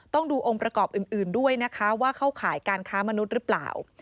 ต้องดูองค์ประกอบอื่นด้วยนะคะว่าเข้าข่ายการค้ามนุษย์หรือเปล่า